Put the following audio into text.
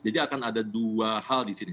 jadi akan ada dua hal di sini